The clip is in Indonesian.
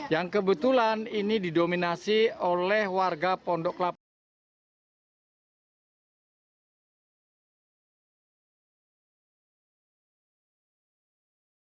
yang kebetulan ini didominasi oleh warga pondok lapanggir